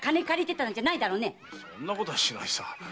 ⁉そんなことはしないさ。